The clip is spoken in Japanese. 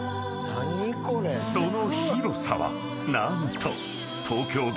［その広さは何と］